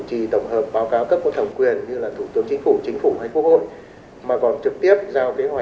khi mà các bộ ngành địa phương